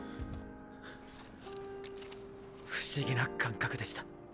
不思議な感覚でした。